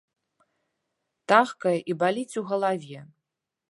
Тахкае і баліць у галаве.